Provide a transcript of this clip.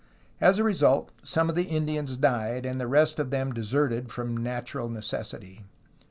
As a result, some of the Indians died, and the rest of them deserted from natural necessity.